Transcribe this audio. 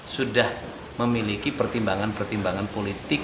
sudah memiliki pertimbangan pertimbangan politik